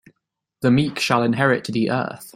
The meek shall inherit the earth.